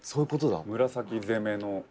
紫攻めの」